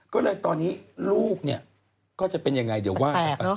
ก็เลยตอนนี้ลูกก็จะเป็นอย่างไรเดี๋ยวว่า